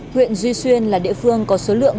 huyện duy xuyên là địa phương có số lượng